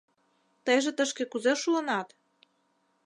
— Тыйже тышке кузе шуынат?